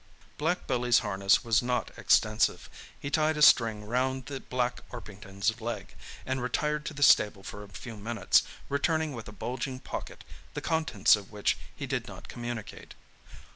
Black Billy's harness was not extensive. He tied a string round the black Orpington's leg, and retired to the stable for a few minutes, returning with a bulging pocket, the contents of which he did not communicate.